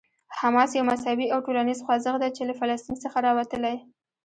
حماس یو مذهبي او ټولنیز خوځښت دی چې له فلسطین څخه راوتلی.